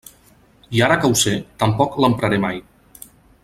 I ara que ho sé, tampoc no l'empraré mai.